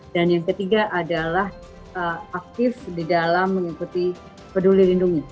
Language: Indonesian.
dan yang ketiga adalah aktif di dalam mengikuti peduli lindungi